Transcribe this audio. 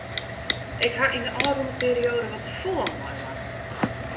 Ik ha yn de ôfrûne perioade wat te folle meimakke.